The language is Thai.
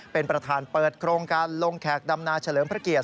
เป็นประธานเปิดโครงการลงแขกดำนาเฉลิมพระเกียรติ